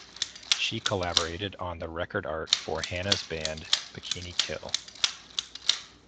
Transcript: She collaborated on the record art for Hanna's band, Bikini Kill.